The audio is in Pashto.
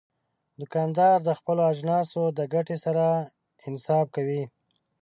دوکاندار د خپلو اجناسو د ګټې سره انصاف کوي.